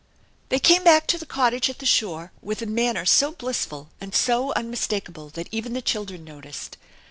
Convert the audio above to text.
They came back to the cottage at the shore with a manner so blissful and so unmistakable that even the children noticed.